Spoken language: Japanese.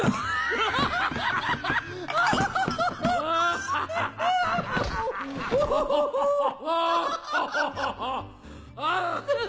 アッハハハ！